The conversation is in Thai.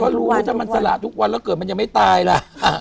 ก็รู้ไหมถ้ามันสละทุกวันแล้วเกิดมันยังไม่ตายล่ะ